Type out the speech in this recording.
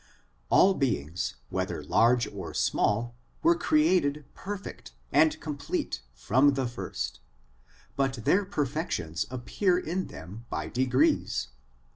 All beings, whether large or small, were" created perfect and complete from the first, but their per fections appear in them by degrees.